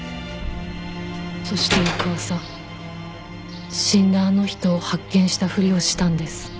そして翌朝死んだあの人を発見したふりをしたんです。